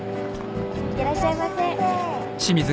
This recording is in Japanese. いってらっしゃいませ。